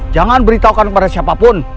jangan beritahukan kepada siapapun